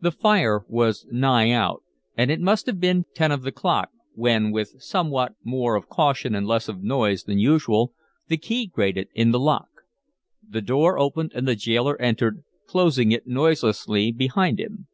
The fire was nigh out, and it must have been ten of the clock when, with somewhat more of caution and less of noise than usual, the key grated in the lock; the door opened, and the gaoler entered, closing it noiselessly behind him.